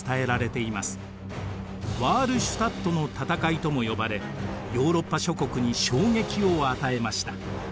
ワールシュタットの戦いとも呼ばれヨーロッパ諸国に衝撃を与えました。